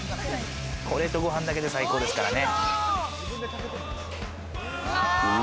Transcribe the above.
これとご飯だけで最高ですからね。